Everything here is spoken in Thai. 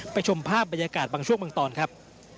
ชมภาพบรรยากาศบางช่วงบางตอนครับ